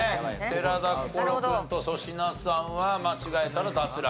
寺田心君と粗品さんは間違えたら脱落と。